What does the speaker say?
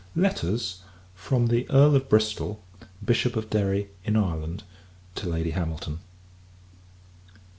Letters FROM THE EARL OF BRISTOL, Bishop of Derry, in Ireland, TO LADY HAMILTON.